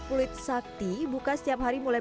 kulit sakti buka setiap hari mulai